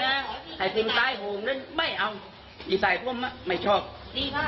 แต่สิ่งตายโหงนั่นไม่เอาอีศัยพ่อมันไม่ชอบ